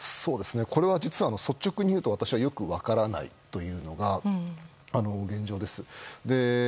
これは実は率直にいうと私はよく分からないというのが現状です。